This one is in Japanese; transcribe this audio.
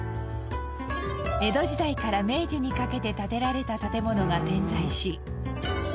江戸時代から明治にかけて建てられた建物が点在し。